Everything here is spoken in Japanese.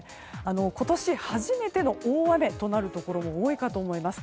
今年初めての大雨となるところも多いと思います。